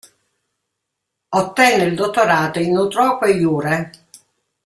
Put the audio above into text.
Ottenne il dottorato "in utroque iure".